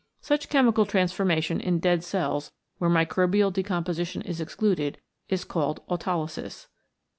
Such chemical transformation in dead cells where microbial decomposition is excluded, is called Aulolysis.